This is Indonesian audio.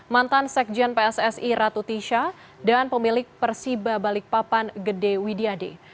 mantan sekjen pssi ratu tisha dan pemilik persiba balikpapan gede widyade